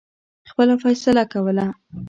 خپله فیصله کوله.